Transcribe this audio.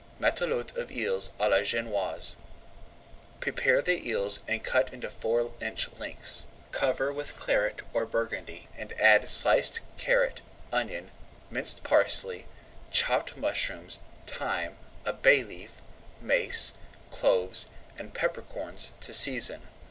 MATELOTE OF EELS À LA GENOISE Prepare the eels and cut into four inch lengths. Cover with Claret or Burgundy and add sliced carrot, onion, minced parsley, chopped mushrooms, thyme, a bay leaf, mace, cloves, and pepper corns to season.